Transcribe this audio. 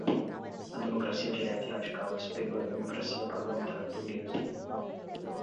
A democracia direta e radical é superior à democracia parlamentar burguesa